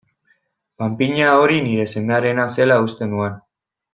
Panpina hori nire semearena zela uste nuen.